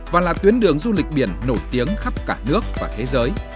và là tuyến đường du lịch biển nổi tiếng khắp cả nước và thế giới